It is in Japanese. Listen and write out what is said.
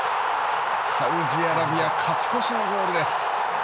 サウジアラビア勝ち越しのゴールです。